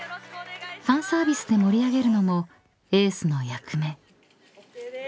［ファンサービスで盛り上げるのもエースの役目］・ＯＫです。